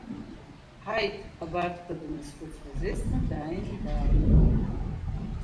Ҳаиҭ абарҭқәа данрызхәыцуаз Есма дааины дааидгылт.